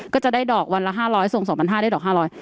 ก็จะได้ดอกวันละห้าร้อยส่งสองพันห้าได้ดอกห้าร้อย